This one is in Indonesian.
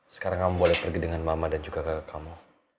sekarang kamu boleh pergi dengan mama dan juga ke kamu